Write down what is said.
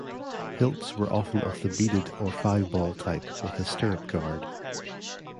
Hilts were often of the beaded or "five-ball" type with a stirrup guard.